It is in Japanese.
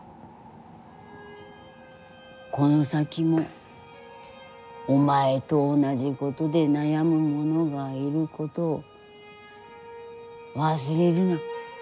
この先も、お前と同じことで悩む者がいることを忘れるな。